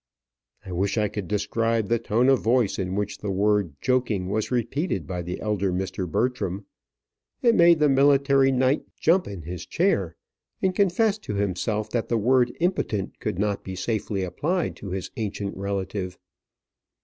I wish I could describe the tone of voice in which the word joking was repeated by the elder Mr. Bertram. It made the military knight jump in his chair, and confess to himself that the word impotent could not be safely applied to his ancient relative.